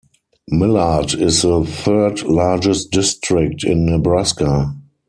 Millard is the third largest district in Nebraska.